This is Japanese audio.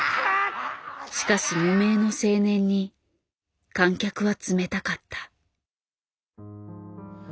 しかし無名の青年に観客は冷たかった。